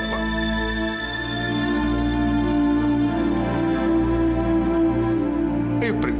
kamu harus yakin sama bapak